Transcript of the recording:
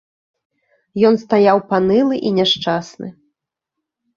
Ён стаяў панылы і няшчасны.